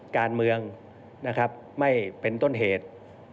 การเมืองนะครับไม่เป็นต้นเหตุ